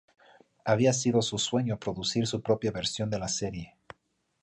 Había sido su sueño producir su propia versión de la serie.